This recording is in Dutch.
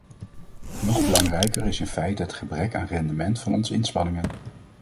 Nog belangrijker is in feite het gebrek aan rendement van onze inspanningen.